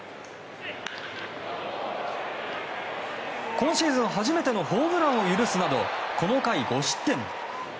今シーズン初めてのホームランを許すなどこの回５失点。